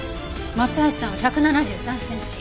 松橋さんは１７３センチ。